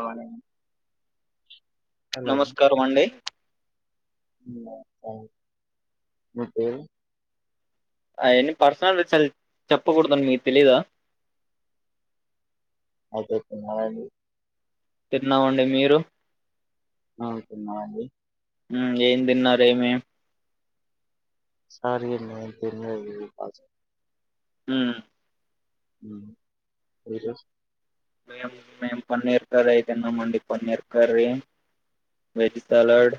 అవునవును నమస్కారం అండి మే అయన్న పర్సనల్ చ చెప్పకూడదుం మీకు తెలీదా అయితేతే మడి తిన్నామండి మీరు ఆ తన్నావడి ఏం తిన్నార ఏమి సారిే నన్ంత నజ పజ హ అకా మేం మేము పన్నీర్ కర్రీ తిన్నామండి paneer curry veg salad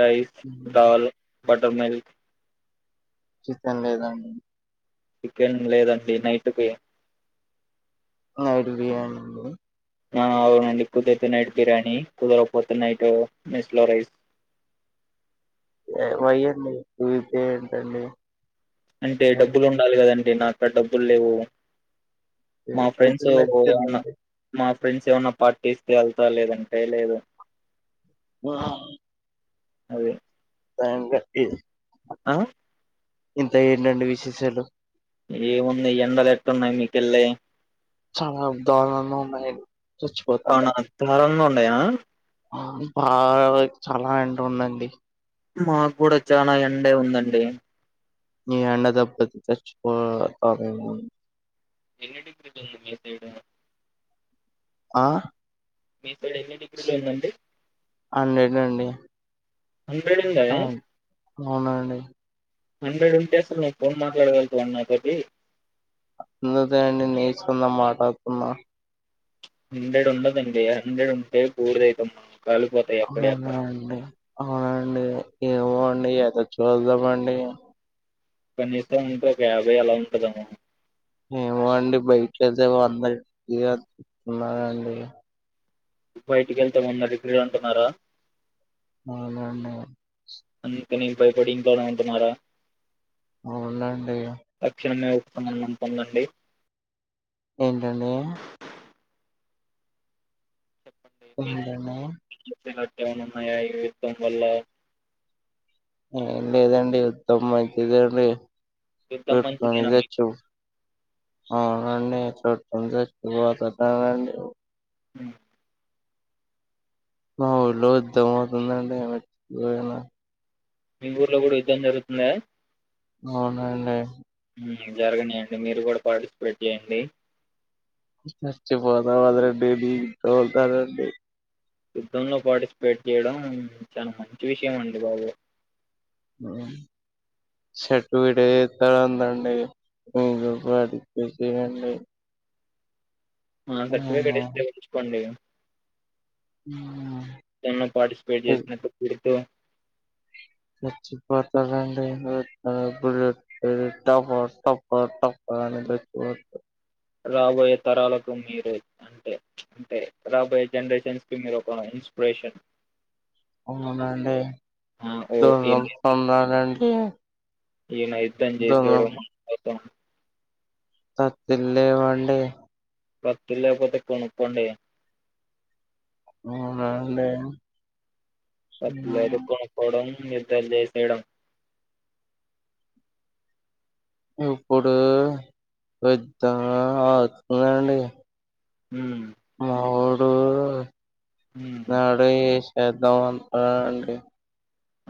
rice um కావాల బటర్ మల్క్ సం లేదండి చికెన్ లేదండి నైట్కి నైట్ బిర్యానీ అండి నా అవుడి కుదిర్తే నైట్ బిర్యానీ కుదరకపోతే నైట్ మెస్లో రైస్ అయండి ఏంటండి అంటే ఉమ్, డబ్బులు ఉండాలి కదాం అంటే నాక్కడ డబ్బులు లేవు మా అయితే ఫ్రెండ్స్ మీరు ఏమన్నా తినండి మా ఫ్రెండ్స్ ఏమన్నా పార్టీస్తే వెళ్తా లేదంటే లేదు హ అదే సకా ఆ ఇంత ఏంటండి విశేషాలు ఏముంది ఎండలు ఎట్టున్నాయి మీకెళ్ళి చ దర అవునా దర అంట బాగా చాలా ఎంట ఉండండి మాకు కూడా చాలా ఎండే ఉందండి నీ ఎండ దెబ్బతి తెచ్చిపోతామ ఎన్ని డిగ్రీది ఉంది మీ తడం ఆ ఇక్కడ ఎన్ని డిగ్రీలు ఉందండి హండ్రెడ్ ఉందా అ అవునండి హండ్రెడ్ ఉంటే అస్తలు ను ఫోన్ మాట్లాడగలుగుత వం అ తర్కి అందు తేని నేచన్నం మాటకన్నా హండ్రెడ్ ఉండదండి హండ్రెడ్ ఉంటే కూర్ద అవుతుమ్ మ అవునండి అవునండి ఎమో ఎధో చుదమ్ అండీ పనిస్తా అంటే ఒక యాభై ఆలా ఉంటదమ్ ఏమో అండి బయటసే అందనిస్తున్నాండి బయటికి వెళ్తామన్నారు ఇగ్రీడ్ అంటున్నారా అవునా అండి అందుకని ఇ పైపడి ఇంకోల ఉంటున్నారా అవునండి సంబంధం పొందండి ఏంట అండీ అంటన్నా ఎమానా ఉనాయా విధం వల్ల ఏం లేదండి ఉత్తమం మంచిదండి యుద్ధం మంచిదేనా తుదచ్చ ఆ అండీ చూచ్చపోతండి ఉమ్ మా ఊళ్ళ యుద్ధం అవుతుందండి పోయనా మీ ఊర్లో కూడా యుద్ధం జరుగుతున్దా అవున్ అండీ ఉమ్ జరగనీయంండి మీరు కూడా పార్టిసిపేట్ చేయండి చర్చ్చిపోతా వద రండిడి ఇ వెళ్తారుండి యుద్ధంలో పార్టిసిపేట్ చేయడం చాలా మంచి విషయం అండి బాబు ఉమ్ చెట్టు విడేస్త ఉందండి మీ పడి చెయండి ఆ సర్టిఫట్ ఇస్త చెయిచుకొండి నిన్న పార్టిసిపేట్ చేసినట్టు గుర్తు చచ్చిపోతారు అండి ప బులే టబ్బ టబ్బ టబ్బ అ చచ్చిపోతారు రాబోయే తరాలకు మీరు అంటే అంటే రాబోయే జనరేషన్స్ కి మీరు ఒక ఇన్స్పిరేషన్ అవునండి ఓ వల ఈయన పొందాలండి ఈయన యుద్ధం చేసేయడ జ తతి లే వండే కథలు లేపోతే కొణకుండే ఉమ్ నా లే అట్లేది కొపోవడం ఇద్దరిని ఏసేయడం ఇప్పుడు పెద్ద అతుందండి ఉమ్ మావోడు ఉమ్. నాడు చేద్దాం అ అండి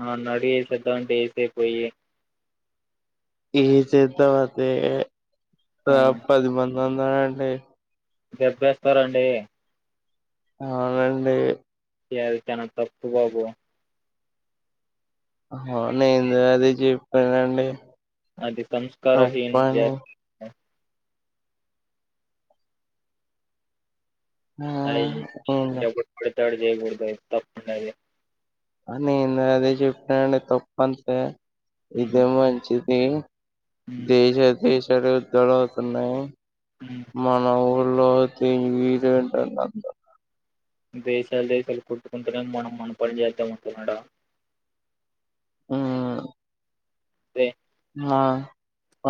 ఆ నడి ఏపిద్దా డేసే పోయి ఈ చేత వతే త ఆ పది మంది మందరంటే దెబ్బేస్తారండి అ అవునండి యాది కనా తప్పు బాబు నేన్ అది చె లేదండి అది సంస్కార హిన్ జస్ ఆ అయి ఇప్పుడ వస్తాడు చేయకుడదా తప్పది హ నేను అదే చెప్పినాండి తప్పు అంతే ఉమ్, ఇదే మంచిద్ ఏన్ ఉమ్, దేశ దేశ్ చెడు దొడవ అవుతున్నయి ఉమ్. మన ఊర్ లోది మీదెంట నంద దేశాల్ దేశాల్ కొట్టుకుంటేనే మనం మన పని చేేద్దామంటున్నాడా ఆయ్ దె ఆ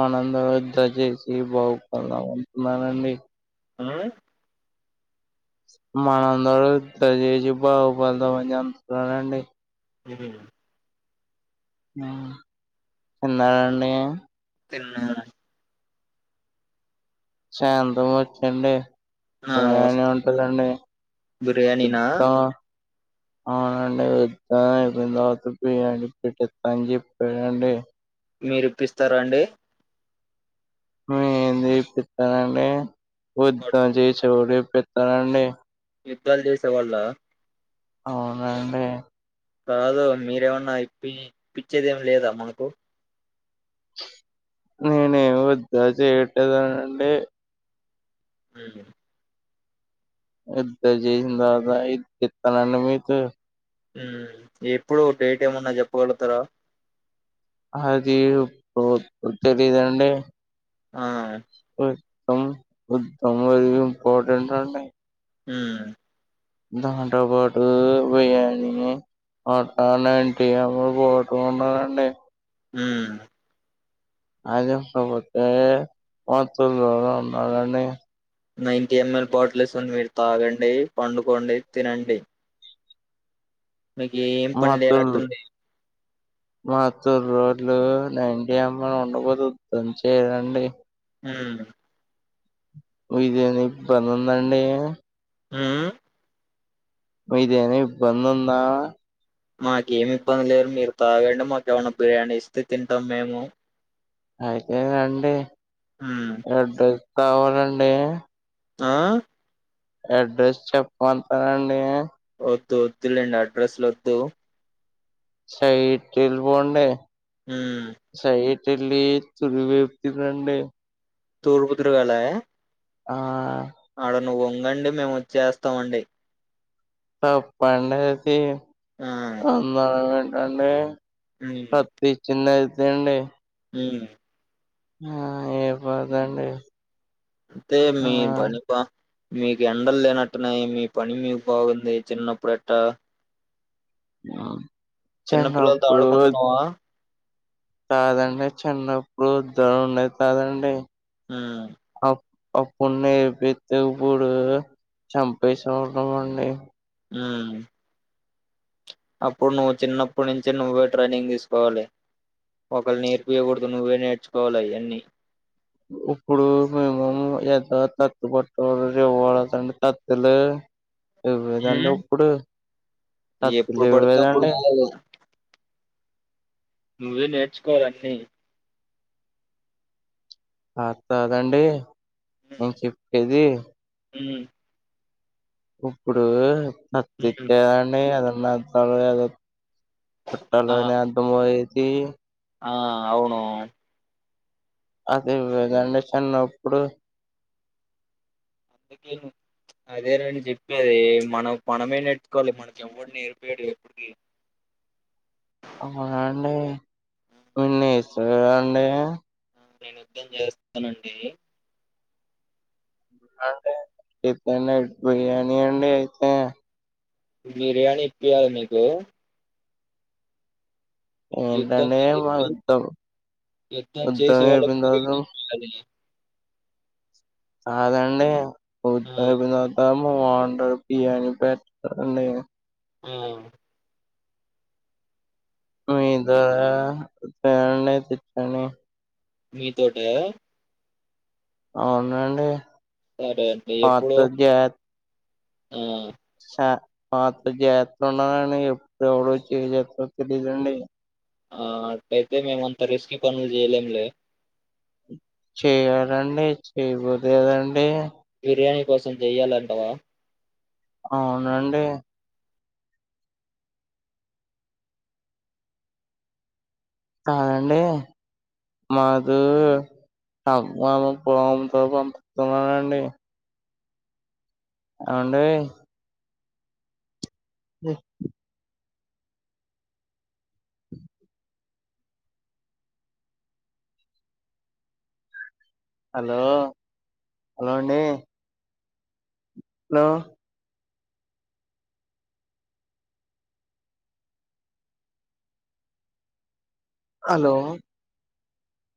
ఆనంద వద్ద చేసి బాగుపల ఉంటున్నానండి ఆయ్ మన అందరూద్ చేసి బాగు పడదామని చెంతున్నానండి ఏదైన తిన్నారండి తిన్నాను శాంతం వచ్చిండె ఆ, బిరియానీ వస్తు ఉంటదా అండి బిర్యానీనా సిద్ద అవునండి వెడ్జ్ అయిన తరువాత బిర్యాన పెట్టిస్తా అని చెప్పాడండి. మీరు ఇప్పిస్తర అండి ఉమ్ మీర్ ఇప్పిస్తారండి ఓద్ద వాడు చే దో రేపిస్తానండి యుద్ధాలు చేసె వాళ్ళ అవునండి కాదు మీరేమన్నా ఇప్పి ఇప్పించేదేమి లేదా మాకు నేనేమి యుద్దాల చెయట్లేదనండి లేదు ఇంత చేసిన తరువాత ఎందుకు ఇస్తాను అండి మీకు హు ఎప్పుడు డేట్ ఏమన్నా చెప్పగలుగుతారా అది తెలియదండి ఆ [unintelligible] ఇంపటెంట్ అండి మ్ దాంతో పాటు బిర్యానీ వండుతానండి [unintelligible] అండి హు అదికాపోతే [unintelligible] ఉన్నారండి నైన్టీ ఎంఎల్ బాటిల్స్ని మీరు తాగండి పండుకోండి తినండి మీకు ఏం పని లేనట్టుంది మా తోరూర్ లో నైంటీ ఏం ల్ ఉండపోతే దంచేదండి మ్ మీదేని ఇబ్బందుందా అండి మ్ మ్ మీదేని ఇబ్బందుందా మాకేమి ఇబ్బంది లేదు మీరు తాగండి మాకు ఏమన్నా బిర్యానీ ఇస్తే తింటాం మేము అయితే రండి హ్మ్ అడ్ర కావాలండి ఆ అడ్రస్ చెప్పంమంటారా అండి వద్దు వద్దులేండి అడ్రస్లు వద్దు సయిట్ ఎల్లిపోండి హు తెల్లి తుడివైపుకి రండి తూరుపుతిరగాలి ఆ నువ్వు వంగండి మేము చేస్తామండి ఆ పండుగకి ఆ అందరం అండి హ్మ్ కప్పిచిన్న ఎండీ ఉమ్ ఆ ఇవ్వదండి తె మీ బన్నీ బా మీకు ఎండలు లేనట్టున్నాయి మీ పని మీకు బాగుంది చిన్నప్పుడు ఎట్టా మా చిన్నపిల్లలతో ఆడుకుంటున్నావా కాదండి చిన్నప్పుడు ధన ఉండేది కదండీ ఉమ్ అప్పుడు నేర్పితే ఇప్పుడు చంపేసే ఉన్నాం అండి మ్మ్ అప్పుడు నువ్వు చిన్నప్పుడు నుంచే నువ్వే ట్రైనింగ్ తీసుకోవాలి, ఒకళ్ నేర్పియగూడుదు నువ్వే నేర్చుకోవాల అయన్ని. ఉప్పుడు మినిమం ఏదో తత్తు పట్టు రెవురంటే తత్తు లే ఇవ్వలేదండి ఉమ్ ఇప్పుడు అసలు ఎప్పుడు పడితే అప్పుడు ఇవ్వులేదండి కాదు నువ్వే నేర్చుకోవాలి అన్ని ఆట్ కాదండి నేను చెప్పేది హ్మ్ ఉప్పుడు ఉమ్ ఉమ్. మచ్చిచ్చేదండి అదన్ నా తలవాదొ పట్టా ఆ లోనే అర్థమయ్యేద్ తీ ఆ అవును అది ఇవ్వదండి చిన్నప్పుడు అందుకే ను ప్చ్ అదేరా నేను జెప్పేది మనకు మనమే నేర్చుకోవాలి. మనకెవ్వడు నేర్పీడు ఎపుడికి హాయ్ అండి ఉన్నిస్ సరే అండి నేను యుద్ధం జేస్తనండి అంటే రేపైనా బిర్యానీ అండి అయితే బిర్యానీ ఇప్పియ్యాలా మీకు యుద్ధం ఏంటండీ చే- మా యుద్ధం యుద్ధం చేసే వాళ్ళకి అయిపోయిన బిర్యానీ దవాత ఇయ్యాలి చాలండి ఆ యుద్దం అయిపోయిన దవాతమ్ వంట బియాని పెట్టండి ఆ మీ ద్వారా ఫ్యాన్ యే పిత్తాని మీ తోటయ అవునండి సరే అండి ఆత్త ఎప్పుడు జా ఆ శా మాత్తో జాగత్తగ ఉండాలండి ఎప్పుడు ఎవడొచ్చి యేం జేత్తాడో తెలియదండి. ఆ అట్లైతే మేమంత రిస్కీ పనులు జేయలేంలే చెయ్యాలండి చేయబోతే కదండి బిర్యానీ కోసం చెయ్యాలంటవా అవునండి కాదండి మాధు అభ్ మానంతో బాగుంతదని పంపితున్ననండి. అవండీ రేప్ హలో హలో అండి లో హలో